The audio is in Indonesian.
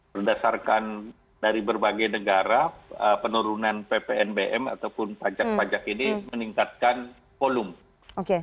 berdasarkan dari berbagai negara penurunan ppnbm ataupun pajak pajak ini meningkatkan volume